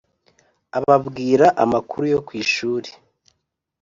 ababwira amakuru yo ku ishuri